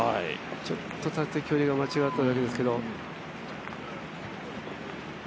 ちょっと縦距離が間違っただけですけど。